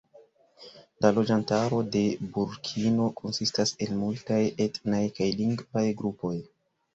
La loĝantaro de Burkino konsistas el multaj etnaj kaj lingvaj grupoj.